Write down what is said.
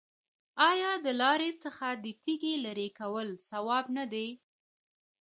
آیا د لارې څخه د تیږې لرې کول ثواب نه دی؟